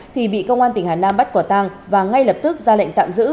thì bị công an tỉnh hà nam bắt quả tang và ngay lập tức ra lệnh tạm giữ